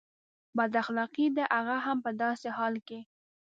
بد اخلاقي ده هغه هم په داسې حال کې.